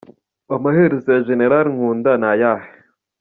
Amaherezo ya Gen. Nkunda ni ayahe?